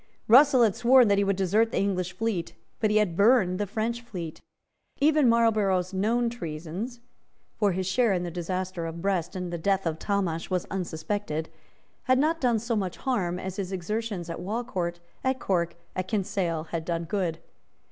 Russell had sworn that he would desert with the English fleet; but he had burned the French fleet. Even Marlborough's known treasons, for his share in the disaster of Brest and the death of Talmash was unsuspected , had not done so much harm as his exertions at Walcourt, at Cork and at Kinsale had done good.